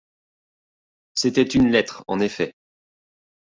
C’était une lettre en effet.